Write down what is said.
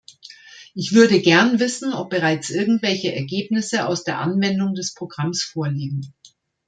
Ich würde gern wissen, ob bereits irgendwelche Ergebnisse aus der Anwendung des Programms vorliegen.